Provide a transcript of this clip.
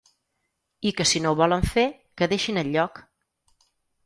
I que si no ho volen fer, que deixin el lloc.